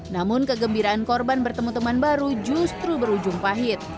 namun kegembiraan korban bertemu teman baru justru berujung pahit